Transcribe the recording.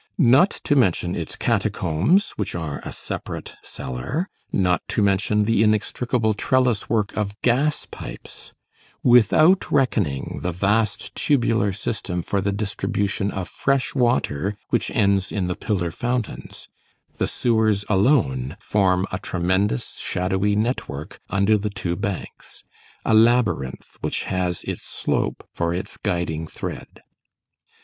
Not to mention its catacombs, which are a separate cellar, not to mention the inextricable trellis work of gas pipes, without reckoning the vast tubular system for the distribution of fresh water which ends in the pillar fountains, the sewers alone form a tremendous, shadowy network under the two banks; a labyrinth which has its slope for its guiding thread.